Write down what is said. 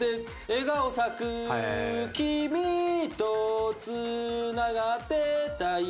「笑顔咲ク君とつながってたい」